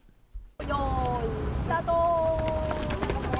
よーい、スタート。